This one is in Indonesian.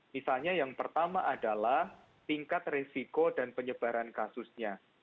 misalnya yang pertama adalah tingkat resiko dan penyebaran kasusnya